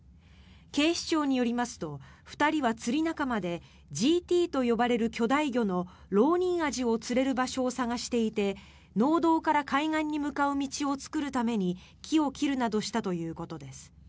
警視庁によりますと２人は釣り仲間でＧＴと呼ばれる巨大魚のロウニンアジを釣れる場所を探していて農道から海岸に向かう道を作るために木を切るなどしたということです。